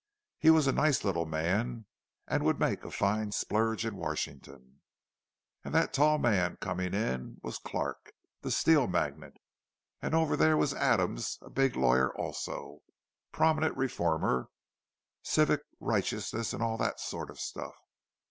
He was a nice little man, and would make a fine splurge in Washington.—And that tall man coming in was Clarke, the steel magnate; and over there was Adams, a big lawyer also—prominent reformer—civic righteousness and all that sort of stuff.